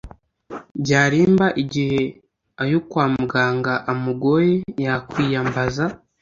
byarimba igihe ayo kwamuganga amugoye yakwiyambaza